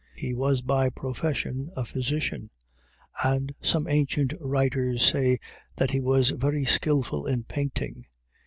He was by profession a physician; and some ancient writers say, that he was very skillful in painting.